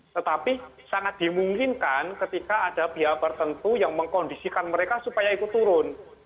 tetapi sangat dimungkinkan ketika ada pihak tertentu yang mengkondisikan mereka supaya ikut turun